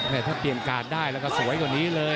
ถ้าเปลี่ยนการ์ดได้แล้วก็สวยกว่านี้เลย